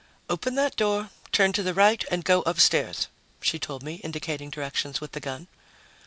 "Open that door, turn to the right and go upstairs," she told me, indicating directions with the gun.